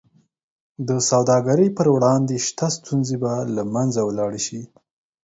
د سوداګرۍ پر وړاندې شته ستونزې به له منځه ولاړې شي.